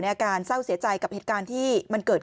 อาการเศร้าเสียใจกับเหตุการณ์ที่มันเกิด